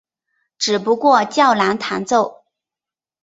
只不过较难弹奏。